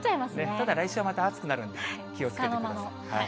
ただ、来週はまた暑くなるんで気をつけてください。